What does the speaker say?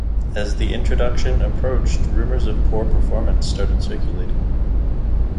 As the introduction approached, rumors of poor performance started circulating.